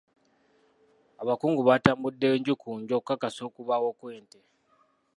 Abakungu baatambudde nju ku nju okukakasa okubaawo kw'ente.